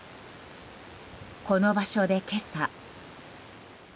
この場所で、今朝。